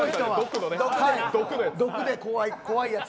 毒で怖いやつ。